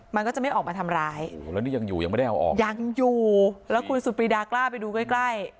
มันก็จะไม่ออกมาทำร้ายโอ้โหแล้วนี่ยังอยู่ยังไม่ได้เอาออกยังอยู่แล้วคุณสุดปรีดากล้าไปดูใกล้ใกล้